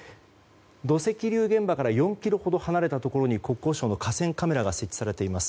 土石流現場から４ｋｍほど離れた場所に国交省の河川カメラが設置されています。